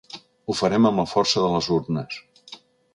Ho farem amb la força de les urnes.